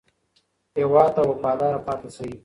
هېواد ته وفادار پاتې شئ.